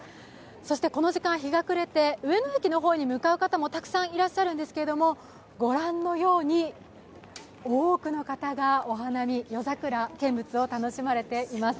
この時間、日が暮れて、上野駅の方に向かう方もたくさんいらっしゃるんですけれども、御覧のように多くの方がお花見、夜桜見物を楽しまれています。